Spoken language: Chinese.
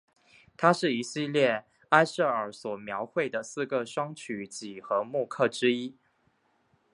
它是一系列埃舍尔所描绘的四个双曲几何木刻之一。